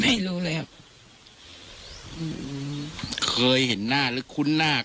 ไม่รู้เลยครับอืมเคยเห็นหน้าหรือคุ้นหน้า